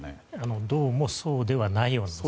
どうもそうではないようなんです。